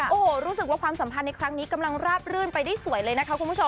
โว้วรู้สึกว่าความสัมภัณฑ์ในครั้งนี้กำลังราบลื่นไปสวยเลยนะคะ